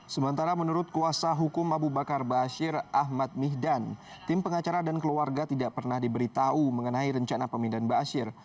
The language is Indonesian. sementara menurut kuasa hukum abu bakar baasyir ahmad mihdan tim pengacara dan keluarga tidak pernah diberitahu mengenai rencana pemindahan baasyir